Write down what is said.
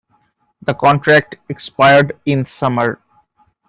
The contract expired in summer.